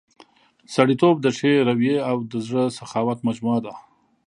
سړیتوب د ښې رويې او د زړه سخاوت مجموعه ده.